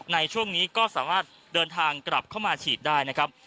ในช่วงนี้ก็สามารถเดินทางกลับเข้ามาฉีดได้นะครับ